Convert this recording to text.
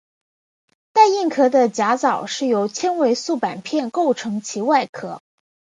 带硬壳的甲藻是由纤维素板片构成其外壳。